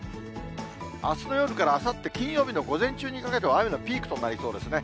あすの夜からあさって金曜日の午前中にかけては雨のピークとなりそうですね。